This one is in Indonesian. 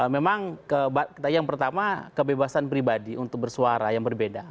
memang yang pertama kebebasan pribadi untuk bersuara yang berbeda